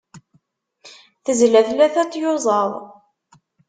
Tezla tlata n tyuẓaḍ.